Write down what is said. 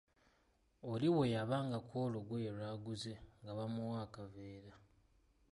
Oli bwe yabangako olugoye lwaguze nga bamuwa akaveera.